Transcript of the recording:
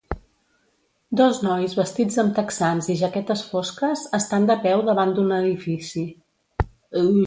Dos nois vestits amb texans i jaquetes fosques estan de peu davant d'un edifici.